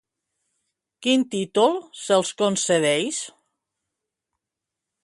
Quin títol se'ls concedeix?